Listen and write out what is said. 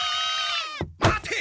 待て！